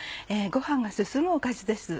ご飯が進むおかずです。